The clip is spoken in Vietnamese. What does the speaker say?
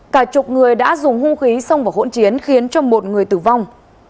cả chục người đã dùng hung khí xông vào hỗn chiến khiến cho một người tử vong